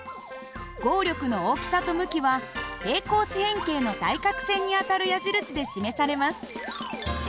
合力の大きさと向きは平行四辺形の対角線にあたる矢印で示されます。